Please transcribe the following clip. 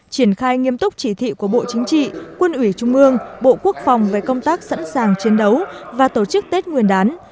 triển khai nghiêm túc chỉ thị của bộ chính trị quân ủy trung ương bộ quốc phòng về công tác sẵn sàng chiến đấu và tổ chức tết nguyên đán